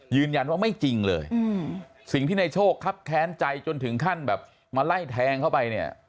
ยืนยันว่าไม่จริงเลยสิ่งที่ในโชคครับแค้นใจจนถึงขั้นแบบมาไล่แทงเข้าไปเนี่ย